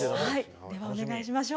ではお願いしましょう。